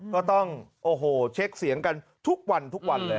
ก็ต้องเช็คเสียงกันทุกวันเลยครับ